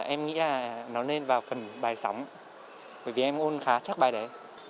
em nghĩ là nó nên vào phần bài sóng bởi vì em ôn khá chắc bài đấy